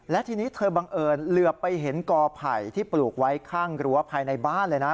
และทีนี้เธอบังเอิญเหลือไปเห็นกอไผ่ที่ปลูกไว้ข้างรั้วภายในบ้านเลยนะ